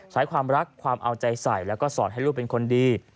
ใช้ความรักความเอาใจใส่แล้วก็สอนให้ลูกเป็นคนดี